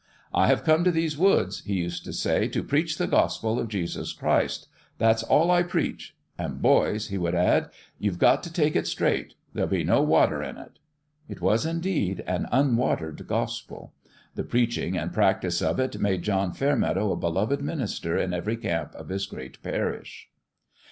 " I have come to these woods," he used to say, " to preach the Gospel of Jesus Christ. That's all I preach. And, boys," he would add, " you've got to take it straight. There'll be no water in it." It was, indeed, an unwatered gospel. The preaching and practice of it made John Fairmeadow a be loved minister in every camp of his great parish.